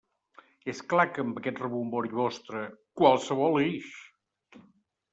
És clar que amb aquest rebombori vostre... qualsevol ix!